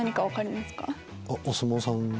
あっお相撲さん。